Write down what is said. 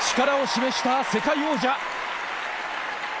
力を示した世界王者！